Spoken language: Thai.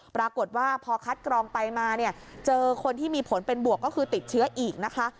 ปรากฏว่าพอคัดกรองไปมาเนี่ยเจอคนที่มีผลเป็นบวกก็คือติดเชื้ออีกนะคะ